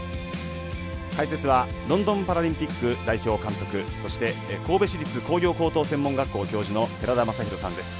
解説はロンドンパラリンピック代表監督そして神戸市立工業高等専門学校教授の寺田雅裕さんです。